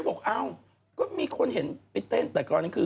ผมก็ก็มีคนเห็นไปเต้นแต่ก่อนนั้นคือ